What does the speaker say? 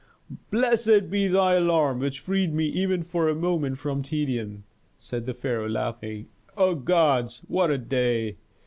"Blessed be thy alarm which freed me even for a moment from tedium," said the pharaoh, laughing. "O gods! what a day!